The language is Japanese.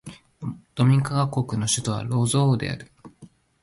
ドミニカ国の首都はロゾーである